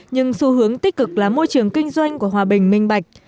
nhưng xu hướng tích cực là môi trường kinh doanh của hòa bình minh bạch